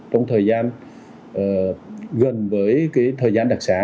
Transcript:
trong thời gian gần với thời gian đặc sá